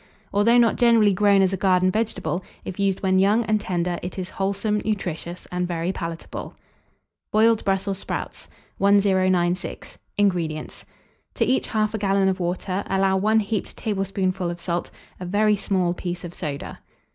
Although not generally grown as a garden vegetable, if used when young and tender, it is wholesome, nutritious, and very palatable. BOILED BRUSSELS SPROUTS. 1096. INGREDIENTS. To each 1/2 gallon of water allow 1 heaped tablespoonful of salt; a very small piece of soda.